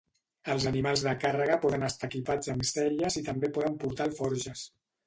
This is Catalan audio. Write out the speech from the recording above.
Els animals de càrrega poden estar equipats amb selles i també poden portar alforges.